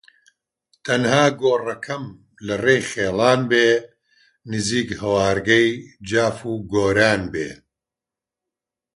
تەنها گۆڕەکەم لە ڕێی خیڵان بێ نزیک هەوارگەی جاف و کۆران بێ